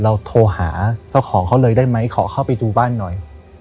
โทรหาเจ้าของเขาเลยได้ไหมขอเข้าไปดูบ้านหน่อย